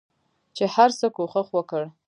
چې هرڅه کوښښ وکړ